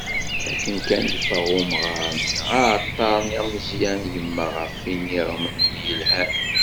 Akken kan yeffeγ umγar-nni, aεeṭṭar-nni ameẓyan, yemmeγ γef yiniγem-nni yelhan.